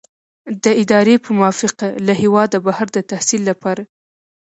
د ادارې په موافقه له هیواده بهر د تحصیل لپاره.